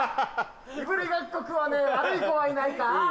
いぶりがっこ食わねえ悪い子はいないか。